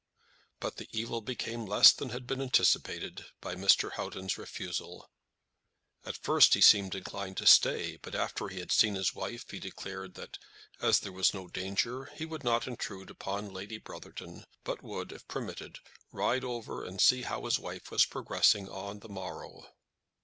But the evil became less than had been anticipated, by Mr. Houghton's refusal. At first, he seemed inclined to stay, but after he had seen his wife he declared that, as there was no danger, he would not intrude upon Lady Brotherton, but would, if permitted, ride over and see how his wife was progressing on the morrow.